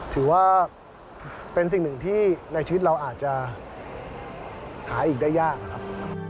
ถือว่าเป็นสิ่งหนึ่งที่ในชีวิตเราอาจจะหาอีกได้ยากนะครับ